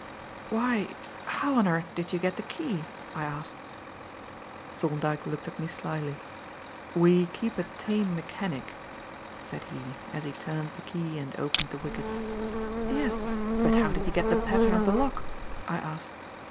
"Why, how on earth did you get the key?" I asked. Thorndyke looked at me slyly. "We keep a tame mechanic," said he, as he turned the key and opened the wicket. "Yes, but how did he get the pattern of the lock?" I asked.